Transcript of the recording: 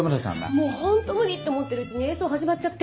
もうホント無理って思ってるうちに演奏始まっちゃって。